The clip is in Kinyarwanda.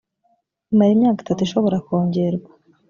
imara imyaka itatu ishobora kwongerwa